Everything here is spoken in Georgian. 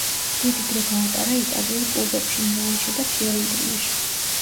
დიდი დრო გაატარა იტალიურ კლუბებში მილანში და ფიორენტინაში.